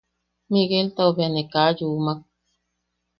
Migueltau bea ne kaa yumak.